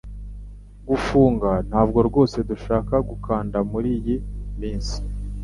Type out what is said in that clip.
gufunga / Ntabwo rwose dushaka gukanda muri yi minsi